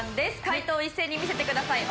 解答を一斉に見せてください。